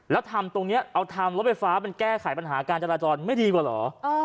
แล้วทำตรงนี้เอาทำรถไฟฟ้ามันแก้ไขปัญหาการจราจรไม่ดีกว่าเหรอ